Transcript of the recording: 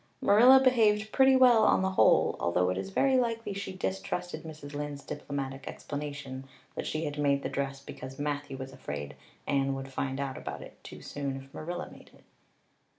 Marilla behaved pretty well on the whole, although it is very likely she distrusted Mrs. Lynde's diplomatic explanation that she had made the dress because Matthew was afraid Anne would find out about it too soon if Marilla made it.